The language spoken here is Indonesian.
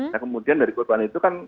nah kemudian dari korban itu kan